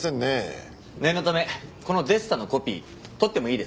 念のためこのデッサンのコピー取ってもいいですか？